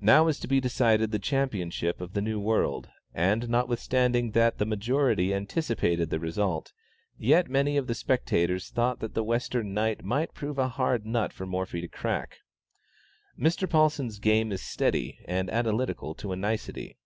Now was to be decided the championship of the New World, and notwithstanding that the majority anticipated the result, yet many of the spectators thought that the Western knight might prove a hard nut for Morphy to crack. Mr. Paulsen's game is steady and analytical to a nicety.